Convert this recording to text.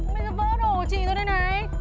bây giờ vỡ đồ của chị ra đây này